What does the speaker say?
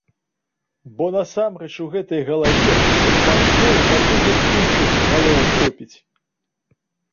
Бо насамрэч у гэтай галаве мазгоў на тузін іншых галоў хопіць.